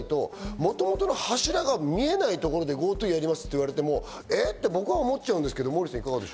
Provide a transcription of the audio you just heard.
もともとの柱が見えないところでＧｏＴｏやりますって言われても、えぇ？って僕は思っちゃうんです